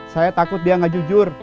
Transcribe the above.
saya takut dia nggak jujur